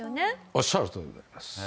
おっしゃるとおりでございます。